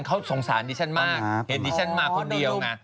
เขาสงสารดิฉันมากเห็นดิฉันมาคนเดียวไง